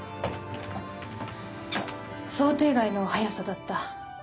想定外の速さだった。